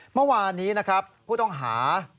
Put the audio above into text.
เมื่อวานนี้นะครับผู้ต้องหา